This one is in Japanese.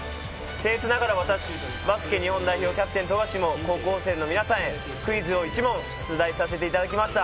せんえつながら、私、バスケ日本代表キャプテン、富樫も高校生の皆さんへ、クイズを１問、出題させていただきました。